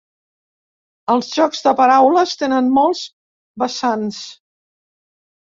Els jocs de paraules tenen molts vessants.